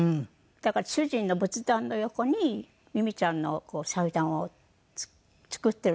だから主人の仏壇の横にミミちゃんの祭壇を作っているんですけど。